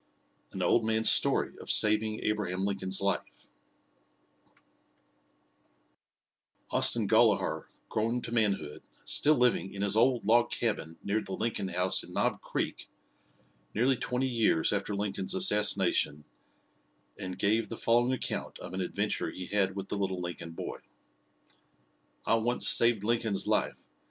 AN OLD MAN'S STORY OF SAVING ABRAHAM LINCOLN'S LIFE Austin Gollaher, grown to manhood, still living in his old log cabin near the Lincoln house in Knob Creek nearly twenty years after Lincoln's assassination, and gave the following account of an adventure he had with the little Lincoln boy: "I once saved Lincoln's life.